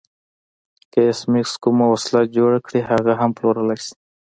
که ایس میکس کومه وسیله جوړه کړي هغه هم پلورلی شي